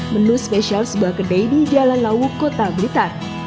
menu spesial sebuah kedai di jalan lawu kota blitar